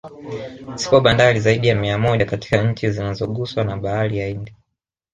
Zipo bandari zaidi ya mia moja katika chi zinazoguswa na Bahari ya Hindi